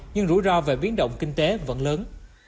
nhưng rủi ro về biến động kinh tế vẫn lớn